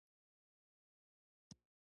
د ادرار د بندیدو لپاره باید څه وکړم؟